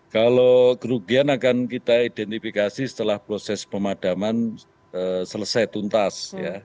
kalau kerugian akan kita identifikasi setelah proses pemadaman selesai tuntas